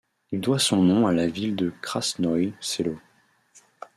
Il doit son nom à la ville de Krasnoïe Selo.